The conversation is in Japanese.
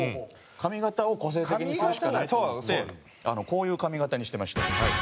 「髪形を個性的にするしかない」と言ってこういう髪形にしてました。